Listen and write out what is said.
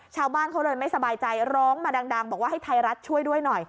ชาวบ้านเขาเลยไม่สบายใจร้องมาดังบอกว่าให้ไทยรัฐช่วยด้วยหน่อย